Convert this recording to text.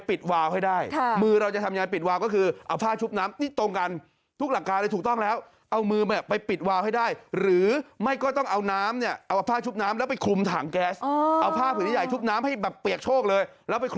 สิ่งสำคัญก็คือหนึ่งต้องเอามือไปปิดเวาท์ให้ได้